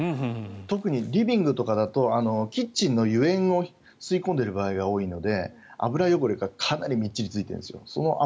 特にリビングとかだとキッチンの油煙を吸い込んでいる場合が多いので油汚れがかなりみっちりついてるんです。